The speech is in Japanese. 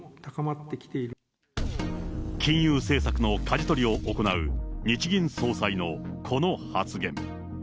金融政策のかじ取りを行う日銀総裁のこの発言。